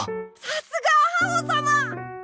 さすが阿覇王様！